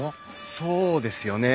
そうですよね。